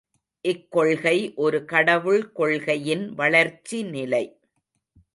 இக்கொள்கை ஒரு கடவுள் கொள்கையின் வளர்ச்சிநிலை.